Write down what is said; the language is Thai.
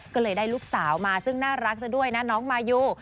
ก็เลยได้ลูกสาวมาซึ่งน่ารักซะด้วยนะน้องมายู